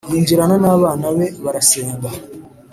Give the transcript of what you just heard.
Yinjirana n’abana be barasenga